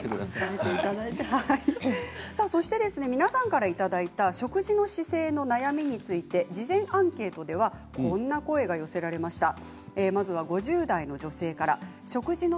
皆さんからいただいた食事の姿勢の悩みについて事前アンケートではこんな声が寄せられました。